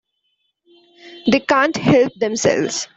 They can't help themselves.